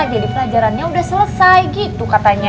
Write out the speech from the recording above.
pelajarannya udah selesai gitu katanya